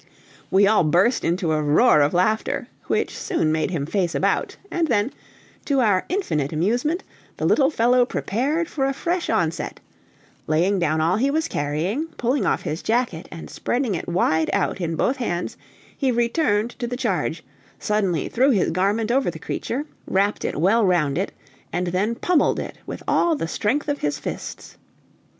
We all burst into a roar of laughter, which soon made him face about, and then, to our infinite amusement, the little fellow prepared for a fresh onset; laying down all he was carrying, pulling off his jacket and spreading it wide out in both hands, he returned to the charge, suddenly threw his garment over the creature, wrapped it well round it, and then pummeled it with all the strength of his fists.